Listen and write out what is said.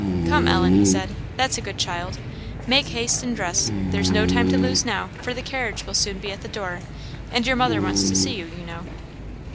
"Come, Ellen," he said, "that's a good child make haste and dress. There's no time to lose now, for the carriage will soon be at the door; and your mother wants to see you, you know."